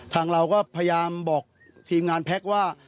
ทางเราก็พยายามบอกทีมงานแพ็คว่า